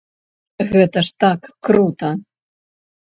Гэта ж так крута!